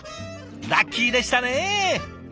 ラッキーでしたね。